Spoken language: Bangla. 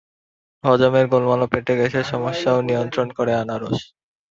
হজমের গোলমাল ও পেটে গ্যাসের সমস্যাও নিয়ন্ত্রণ করে আনারস।